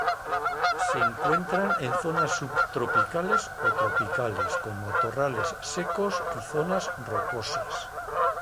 Se encuentra en zonas subtropicales o tropicales con matorrales secos y zonas rocosas.